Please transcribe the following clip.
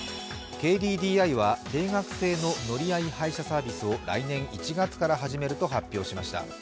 ＫＤＤＩは、定額制の乗合配車サービスを来年１月から始めると発表しました